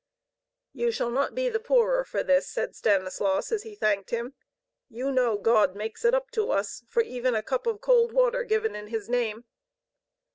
"You shall not be the poorer for this," said Stanislaus, as he thanked him. "You know God makes it up to us for even a cup of cold water given in His name."